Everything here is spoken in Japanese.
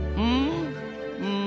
うん？